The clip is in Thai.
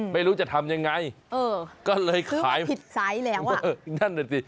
ไม่รู้จะทำยังไงเออก็เลยขายผิดไซส์แล้วอ่ะนั่นน่ะสิ